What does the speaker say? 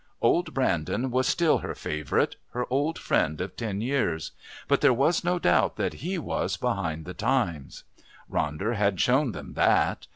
Old Brandon was still her favourite, her old friend of ten years; but there was no doubt that he was behind the times, Ronder had shown them that!